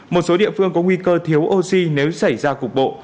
một số địa phương có nguy cơ thiếu oxy nếu xảy ra cục bộ